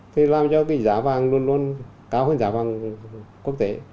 thì làm cho cái giá vàng luôn luôn cao hơn giá vàng quốc tế